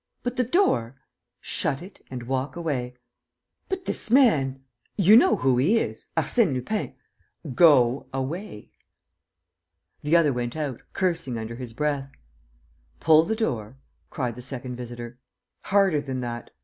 "But the door?" "Shut it and walk away." "But this man ... you know who he is. ... Arsène Lupin. ..." "Go away!" The other went out, cursing under his breath. "Pull the door!" cried the second visitor. "Harder than that.